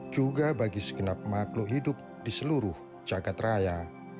juga bagi segenap makhluk hidup di seluruh jagad raya